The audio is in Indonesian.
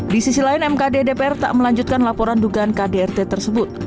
di sisi lain mkd dpr tak melanjutkan laporan dugaan kdrt tersebut